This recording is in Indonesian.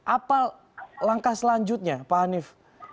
apa langkah selanjutnya pak hanif